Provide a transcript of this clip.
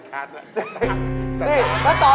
สัดทานล่ะสัดทาน